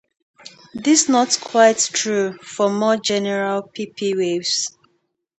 This not quite true for more general pp-waves.